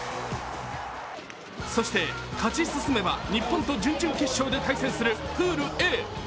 そして勝ち進めば、日本と準々決勝で対戦するプールＡ。